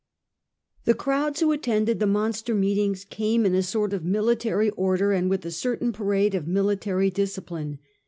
The crowds who attended the monster meetings came in a sort of military order and with a certain parade of military discipline.